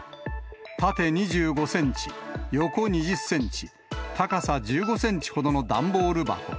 縦２５センチ、横２０センチ、高さ１５センチほどの段ボール箱。